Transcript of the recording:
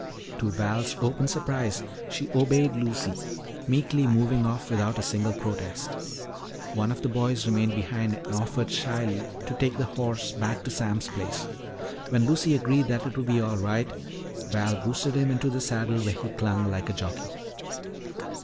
To Val's open surprise, she obeyed Lucy, meekly moving off without a single protest. One of the boys remained behind and offered shyly to take the horse back to Sam's place. When Lucy agreed that it would be all right, Val boosted him into the saddle where he clung like a jockey.